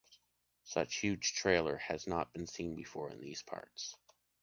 Such huge trailer has not been seen before in these parts.